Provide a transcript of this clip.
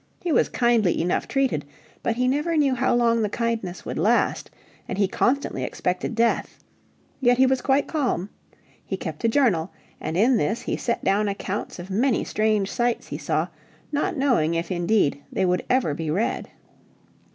He was kindly enough treated, but he never knew how long the kindness would last, and he constantly expected death. Yet he was quite calm. He kept a journal, and in this he set down accounts of many strange sights he saw, not knowing if indeed they would ever be read.